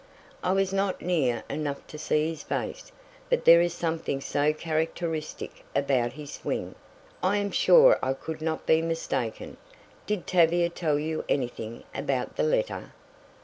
I was not near enough to see his face, but there is something so characteristic about his swing, I am sure I could not be mistaken. Did Tavia tell you anything about the letter?"